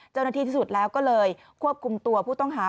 เจ้าหน้าที่ที่สุดแล้วก็เลยควบคุมตัวผู้ต้องหา